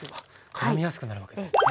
からみやすくなるわけですね。